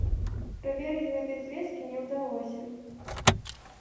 Праверыць гэтыя звесткі не ўдалося.